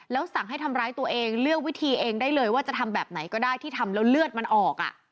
แล้วสั่งให้ทำร้ายตัวเองเลือกวิธีเองได้เลยว่าจะทำแบบไหนก็ได้ที่ทำแล้วเลือดมันออก